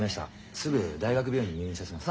すぐ大学病院に入院させます。